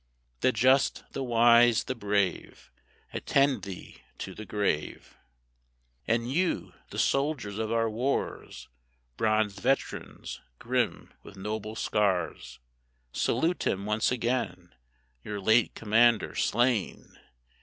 The just, the wise, the brave, Attend thee to the grave. And you, the soldiers of our wars, Bronzed veterans, grim with noble scars, Salute him once again, Your late commander slain!